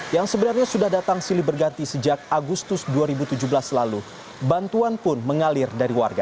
yang sebenarnya sudah datang silih berganti sejak agustus dua ribu tujuh belas lalu bantuan pun mengalir dari warga